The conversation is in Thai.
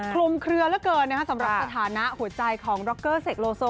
คลุมเคลือเหลือเกินสำหรับสถานะหัวใจของดร็อกเกอร์เสกโลโซ